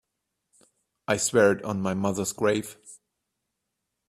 I swear it on my mother's grave.